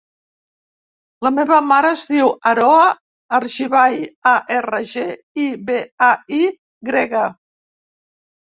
La meva mare es diu Aroa Argibay: a, erra, ge, i, be, a, i grega.